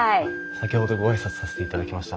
先ほどご挨拶させていただきました。